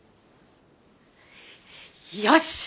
よし！